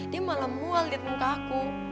dia malah mual di muka aku